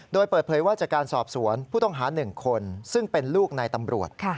โดยเปิดเผยว่าจากการสอบสวนผู้ต้องหา๑คนซึ่งเป็นลูกในตำรวจ